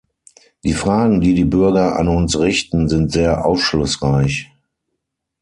Die Fragen, die die Bürger an uns richten, sind sehr aufschlussreich.